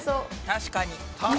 確かにね。